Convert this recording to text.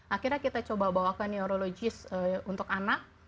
akhirnya kita coba bawa ke neurologis untuk anak